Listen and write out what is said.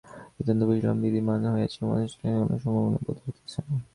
নিতান্ত বুঝিলাম বিধি বাম হইয়াছে মনস্কামসিদ্ধির কোন সম্ভাবনা বোধ হইতেছে না।